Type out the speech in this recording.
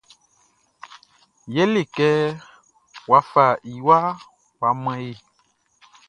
Ye le kɛ wa fa iwa wa man yé.